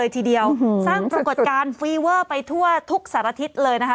ทีเดียวสร้างปรากฏการณ์ฟีเวอร์ไปทั่วทุกสารทิศเลยนะคะ